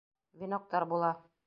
Веноктар була.